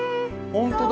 ほんとだ。